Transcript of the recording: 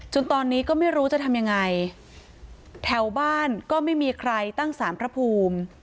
จนตอนนี้ก็ไม่รู้จะทำยังไงแถวบ้านก็ไม่มีใครตั้งสารพระภูมิ